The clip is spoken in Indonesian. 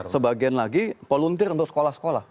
sebagian lagi volunteer untuk sekolah sekolah